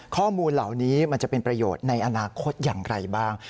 ข้อมูลเหล่านี้มันจะเป็นประโยชน์ในอนาคตอย่างไรบ้าง